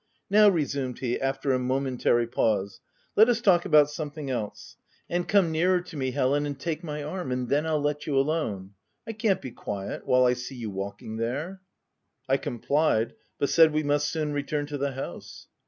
"Now," resumed he, after a momentary pause, "let us talk about something else. And come nearer to me, 6 THE TENANT Helen, and take my arm; and then Ml let you alone. I can't be quiet while I see you walking there." I complied ; but said we must soon return to the house.